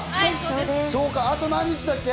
あと何日だっけ？